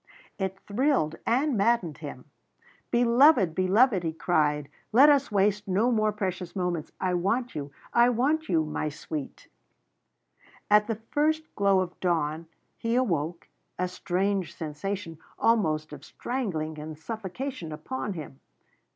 It thrilled and maddened him. "Beloved, beloved!" he cried, "let us waste no more precious moments. I want you I want you my sweet!" At the first glow of dawn, he awoke, a strange sensation, almost of strangling and suffocation, upon him.